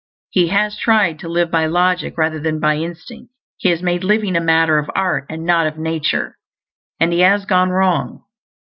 He has tried to live by logic rather than by instinct; he has made living a matter of art, and not of nature. And he has gone wrong.